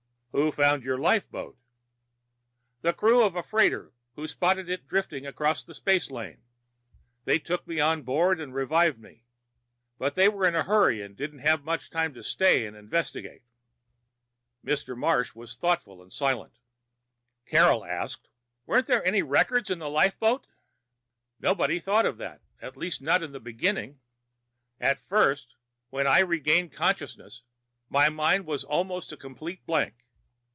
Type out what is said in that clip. "Who found your lifeboat?" "The crew of a freighter, who spotted it drifting across a space lane. They took me on board and revived me. But they were in a hurry and didn't have much time to stay and investigate." Mr. Marsh was thoughtful and silent. Carol asked, "Weren't there any records in the lifeboat?" "Nobody thought of that, at least not in the beginning. At first, when I regained consciousness, my mind was almost a complete blank.